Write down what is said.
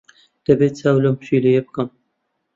دەبێت چاو لەم پشیلەیە بکەم.